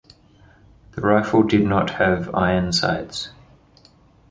The rifle did not have iron sights.